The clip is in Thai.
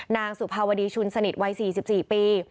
นางสุภาวดีชุนสนิทวัย๔๔ปี